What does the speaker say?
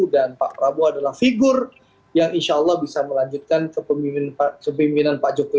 dan pak prabu adalah figur yang insya allah bisa melanjutkan kepemimpinan pak jokowi